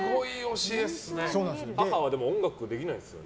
母は音楽できないんですよね。